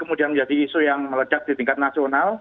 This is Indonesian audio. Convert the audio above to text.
menjadi isu yang melejak di tingkat nasional